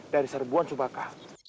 dari serbuan subaka